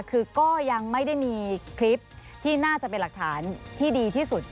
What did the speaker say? คือก็ยังไม่ได้มีคลิปที่น่าจะเป็นหลักฐานที่ดีที่สุด